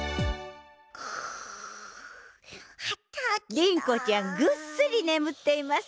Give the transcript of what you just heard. りん子ちゃんぐっすりねむっています。